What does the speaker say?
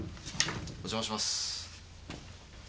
お邪魔します。